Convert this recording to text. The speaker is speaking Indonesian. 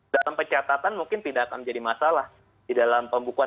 dalam pencatatan mungkin tidak akan menjadi masalah di dalam pembukuan